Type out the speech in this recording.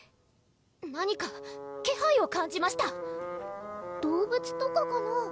何か気配を感じました動物とかかな？